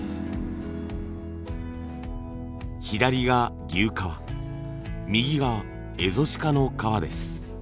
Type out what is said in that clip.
左が牛革右がエゾシカの革です。